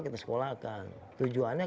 tujuan kami adalah untuk mereka bersekolah